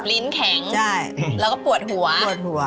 ลิ้นแข็งใช่แล้วก็ปวดหัวปวดหัว